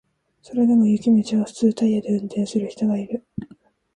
それでも雪道を普通タイヤで運転する人がいる